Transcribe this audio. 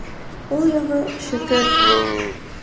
Ул яғы - шөкөр.